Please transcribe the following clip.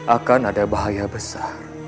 akan ada bahaya besar